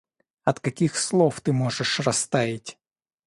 От каких слов ты можешь растаять?